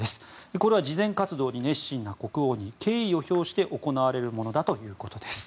これは慈善活動に熱心な国王に敬意を表して行われるものだということです。